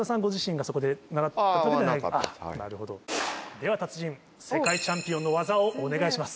では達人世界チャンピオンの技をお願いします。